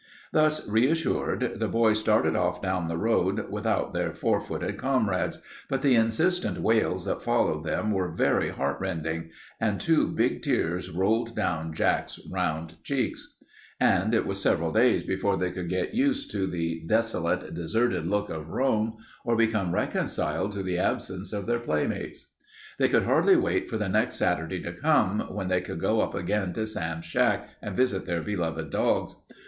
Thus reassured, the boys started off down the road without their four footed comrades, but the insistent wails that followed them were very heart rending, and two big tears rolled down Jack's round cheeks. And it was several days before they could get used to the desolate, deserted look of Rome or become reconciled to the absence of their playmates. They could hardly wait for the next Saturday to come, when they could go up again to Sam's shack and visit their beloved dogs.